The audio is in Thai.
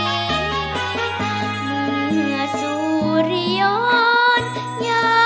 อีกเมื่อไรจะโชคดีกว่า